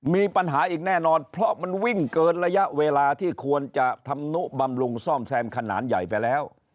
มีปัญหาอีกแน่นอนเพราะมันวิ่งเกินระยะเวลาที่ควรจะทำนุบำรุงซ่อมแซมขนาดใหญ่ไปแล้ว